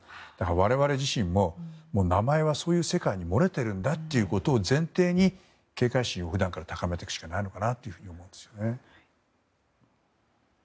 我々自身も名前は、そういう世界に漏れているんだということを前提に警戒心を普段から高めていかなければいけないんだなと思います。